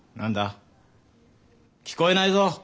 聞こえないぞ。